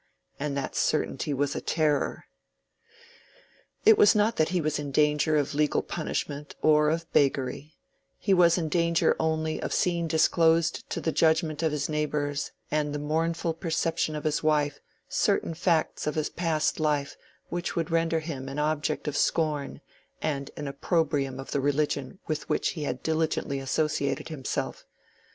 And that certainty was a terror. It was not that he was in danger of legal punishment or of beggary: he was in danger only of seeing disclosed to the judgment of his neighbors and the mournful perception of his wife certain facts of his past life which would render him an object of scorn and an opprobrium of the religion with which he had diligently associated himself.